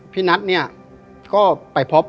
พี่นัทเนี่ยก็ไปพบ